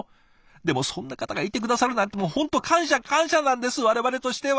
でもそんな方がいて下さるなんてもう本当感謝感謝なんです我々としては！